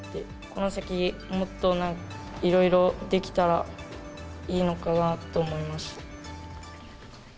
この先、もっといろいろできたらいいのかなと思いました。